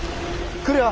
来るよ。